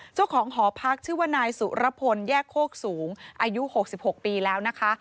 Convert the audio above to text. เจ้าของหอพักชื่อว่านายสุรพลแยกโคกสูงอายุ๖๖ปีแล้วนะคะ